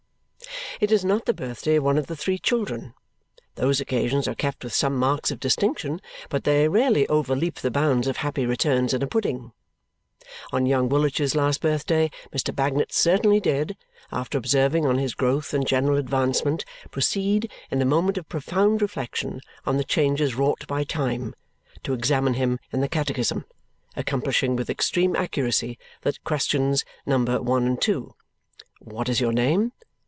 It is not the birthday of one of the three children. Those occasions are kept with some marks of distinction, but they rarely overleap the bounds of happy returns and a pudding. On young Woolwich's last birthday, Mr. Bagnet certainly did, after observing on his growth and general advancement, proceed, in a moment of profound reflection on the changes wrought by time, to examine him in the catechism, accomplishing with extreme accuracy the questions number one and two, "What is your name?"